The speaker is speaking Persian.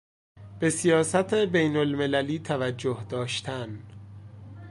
به سیاست بینالمللی توجه داشتن